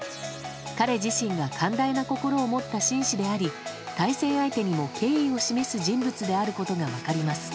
彼自身が寛大な心を持った紳士であり対戦相手にも敬意を示す人物であることが分かります。